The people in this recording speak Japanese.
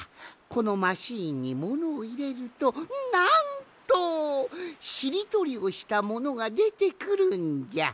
このマシーンにものをいれるとなんとしりとりをしたものがでてくるんじゃ。